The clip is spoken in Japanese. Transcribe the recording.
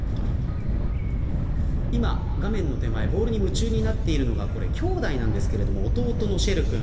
今、画面の手前ボールに夢中になっているのが兄弟なんですけど弟のシェル君。